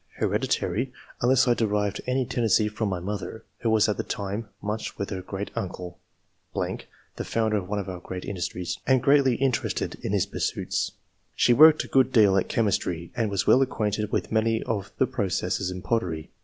hereditary], unless I derived any ten dency from my mother, who was at one time much with her great uncle [.... the founder of one of our great industries] and greatly in terested in his pursuits. She worked a good deal at chemistry, and was well acquainted with many of the processes in pottery.